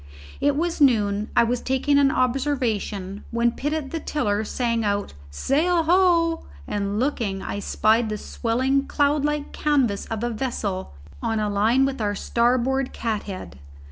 It was noon: I was taking an observation, when Pitt at the tiller sang out "Sail ho!" and looking, I spied the swelling cloud like canvas of a vessel on a line with our starboard cathead.